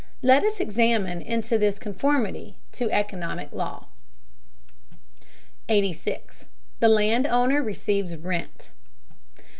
Let us examine into this conformity to economic law. 86. THE LAND OWNER RECEIVES RENT.